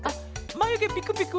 まゆげピクピク？